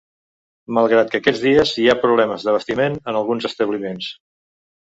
Malgrat que aquests dies hi ha problemes d’abastiment en alguns establiments.